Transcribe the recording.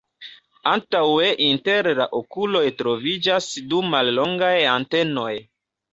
Antaŭe inter la okuloj troviĝas du mallongaj antenoj.